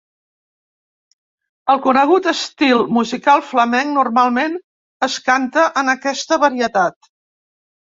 El conegut estil musical flamenc normalment es canta en aquesta varietat.